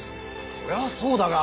それはそうだが。